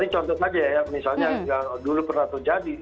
contoh saja ya misalnya dulu pernah terjadi